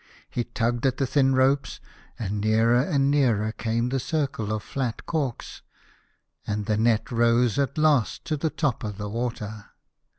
He tugged at the thin ropes, and nearer and nearer came the circle of fiat corks, and the net rose at last to the top of the water.